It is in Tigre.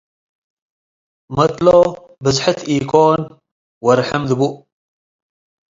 . መትሎ ብዝሕት ኢኮን ወርሕም ድቡእ፣